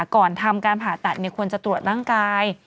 ก่อนทำการผ่าตัดควรจะตรวจร่างกาย